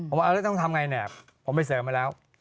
เอาแล้วต้องทำอย่างไรแนบผมไปเสริมมาแล้ว